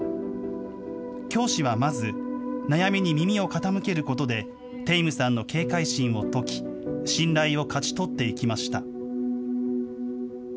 教師はまず、悩みに耳を傾けることで、テイムさんの警戒心を解き、信頼を勝ち取っていきました。